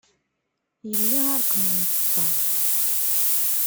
Yelli a ṛqem n lfeṭṭa.